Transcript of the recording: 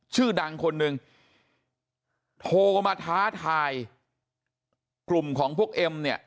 ชื่อดังคนหนึ่งโทรมาท้าทายกลุ่มของพวกเอ็มเนี่ย